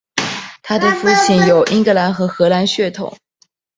她的父亲有英格兰和荷兰血统。